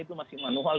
itu masih manual